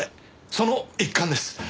その一環です。